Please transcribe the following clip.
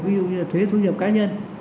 ví dụ như thuế thu nhập cá nhân